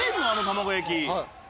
あの卵焼き。